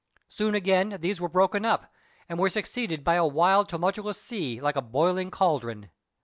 Soon again these were broken up, and were succeeded by a wild tumultuous sea like a boiling cauldron.